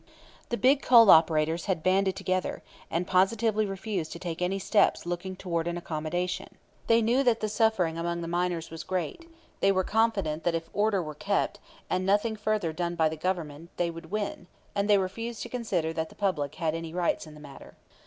The big coal operators had banded together, and positively refused to take any steps looking toward an accommodation. They knew that the suffering among the miners was great; they were confident that if order were kept, and nothing further done by the Government, they would win; and they refused to consider that the public had any rights in the matter.